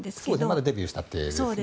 まだデビューしたてですね。